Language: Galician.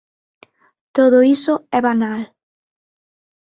Todo iso é banal.